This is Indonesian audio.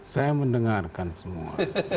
saya mendengarkan semua